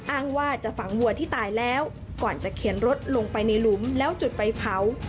อ้างว่าจะฝังวัวที่ตายแล้วก่อนจะเขียนรถลงไปในหลุมแล้วจุดไฟเผา